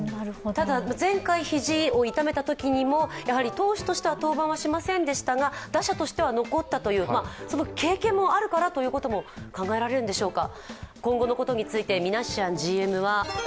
ただ前回、肘を痛めたときにも投手としては登板はしませんでしたが打者しては残ったという、その経験もあるからということも考えられるのでしょうか。